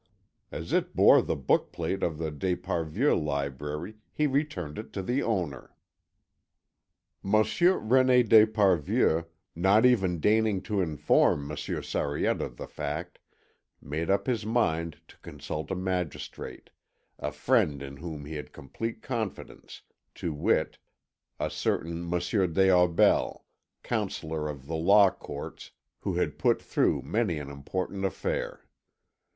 As it bore the book plate of the d'Esparvieu library he returned it to the owner. Monsieur René d'Esparvieu, not even deigning to inform Monsieur Sariette of the fact, made up his mind to consult a magistrate, a friend in whom he had complete confidence, to wit, a certain Monsieur des Aubels, Counsel at the Law Courts, who had put through many an important affair.